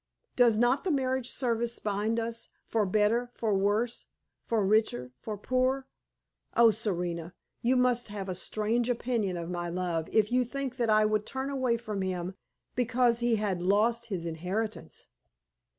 Does not the marriage service bind us 'for better, for worse, for richer, for poorer'? Oh, Serena! you must have a strange opinion of my love if you think that I would turn away from him because he had lost his inheritance."